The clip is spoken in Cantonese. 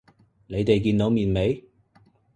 你哋見到面未？